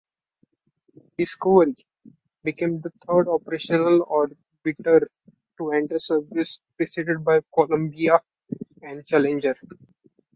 "Discovery" became the third operational orbiter to enter service, preceded by "Columbia" and "Challenger".